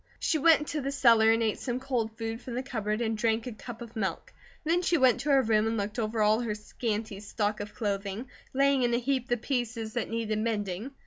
She went into the cellar and ate some cold food from the cupboard and drank a cup of milk. Then she went to her room and looked over all of her scanty stock of clothing, laying in a heap the pieces that needed mending.